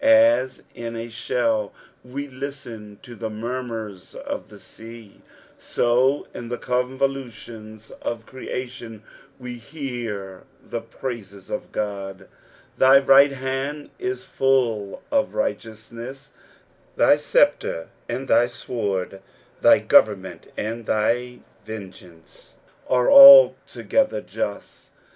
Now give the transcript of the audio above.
As in a shell we listen to the munnurs of the sea, so in the convoiulions of creation we hear the praises of God. " Thy right hand u /tdl qf righleout n«n." Thy sceptre and thy sword, thj government and thy vengeance, are altogether just.